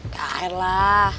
ke air lah